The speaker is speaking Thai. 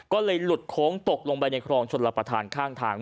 ก็เลยหลุดโค้งตกลงไปในคลองชนรับประทานข้างทาง